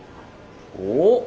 おっ！